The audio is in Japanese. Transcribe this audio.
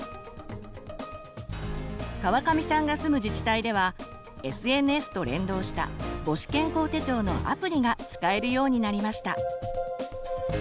川上さんが住む自治体ではＳＮＳと連動した母子健康手帳のアプリが使えるようになりました。